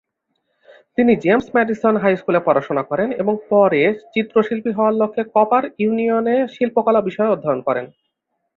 তিনি James Madison high স্কুলে পড়াশোনা করেন এবং পরে চিত্রশিল্পী হওয়ার লক্ষ্যে কপার ইউনিয়নে শিল্পকলা বিষয়ে অধ্যয়ন করেন।